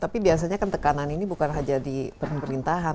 tapi biasanya kan tekanan ini bukan saja di perintahan